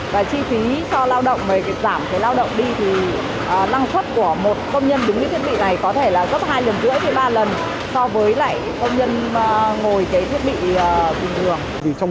và chi phí cho lao động mà giảm cái lao động đi thì năng suất của một công nhân đứng với thiết bị này có thể là gấp hai năm ba lần so với lại công nhân ngồi cái thiết bị bình thường